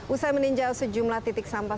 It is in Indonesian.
usai meninjau sejumlah titik sampah